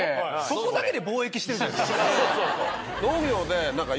そこだけで貿易してるじゃないですか。